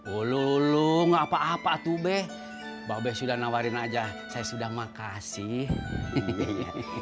ulu ulu ngapa apa tuh be mbak sudah nawarin aja saya mau ke rumah ya makasih ya bang udin sama